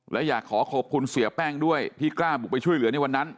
และอยากขอขอบคุณเสียแป้งด้วยที่กล้าบุกไปช่วยเหลือในวันนั้น